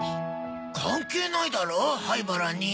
関係ないだろ灰原に。